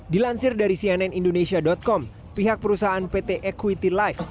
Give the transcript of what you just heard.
dilansir dari cnn indonesia com pihak perusahaan pt equity life